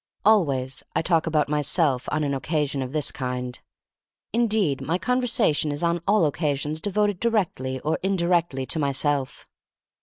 Always I talk about myself on an occasion of this kind. Indeed, my con versation is on all occasions devoted directly or indirectly to myself.